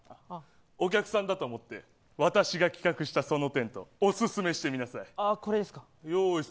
お客さんだと思って私が企画したそのテントおすすめしてみなさい。